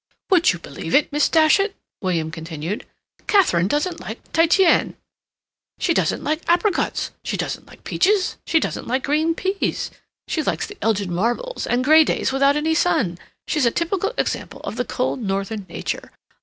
"Would you believe it, Miss Datchet," William continued, "Katharine doesn't like Titian. She doesn't like apricots, she doesn't like peaches, she doesn't like green peas. She likes the Elgin marbles, and gray days without any sun. She's a typical example of the cold northern nature.